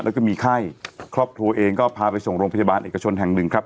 แล้วก็มีไข้ครอบครัวเองก็พาไปส่งโรงพยาบาลเอกชนแห่งหนึ่งครับ